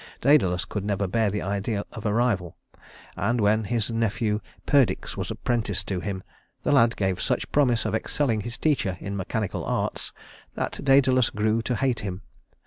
Dædalus could never bear the idea of a rival; and when his nephew Perdix was apprenticed to him, the lad gave such promise of excelling his teacher in mechanical arts that Dædalus grew to hate him.